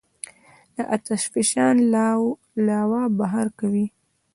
د آتش فشان لاوا بهر کوي.